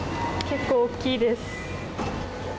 結構大きいです。